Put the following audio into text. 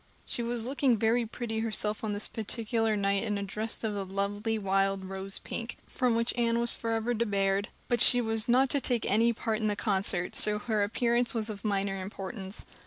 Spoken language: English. She was looking very pretty herself on this particular night in a dress of the lovely wild rose pink, from which Anne was forever debarred; but she was not to take any part in the concert, so her appearance was of minor importance.